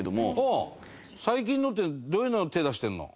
最近のってどういうのに手出してるの？